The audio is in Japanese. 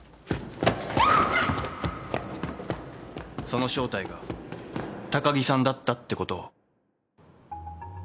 その正体が高城さんだったってことを。